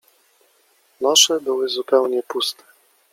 Nosze były zupełnie puste.